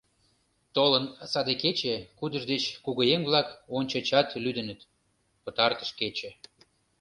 Толын саде кече, кудыж деч кугыеҥ-влак ончычат лӱдыныт — Пытартыш кече.